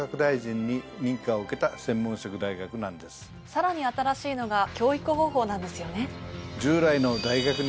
さらに新しいのが教育方法なんですよね？